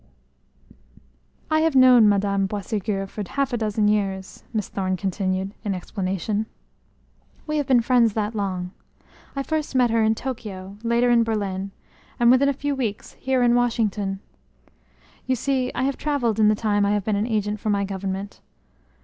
"I have known Madame Boisségur for half a dozen years," Miss Thorne continued, in explanation. "We have been friends that long. I met her first in Tokio, later in Berlin, and within a few weeks, here in Washington. You see I have traveled in the time I have been an agent for my government.